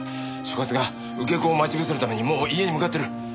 所轄が受け子を待ち伏せるためにもう家に向かってる！